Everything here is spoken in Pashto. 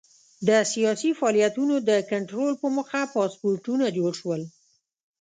د سیاسي فعالیتونو د کنټرول په موخه پاسپورټونه جوړ شول.